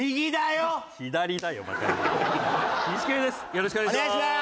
よろしくお願いします。